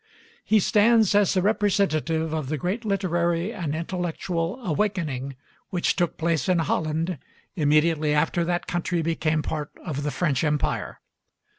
He stands as the representative of the great literary and intellectual awakening which took place in Holland immediately after that country became part of the French empire.